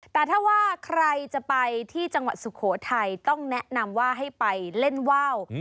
แต่ถ้าว่าใครจะไปที่จังหวัดสุโขทัยต้องแนะนำว่าให้ไปเล่นว่าว